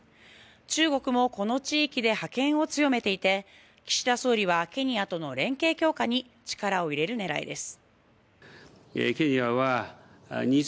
中国もこの地域で覇権を強めていて岸田総理はケニアとの連携強化に力を入れる狙いです。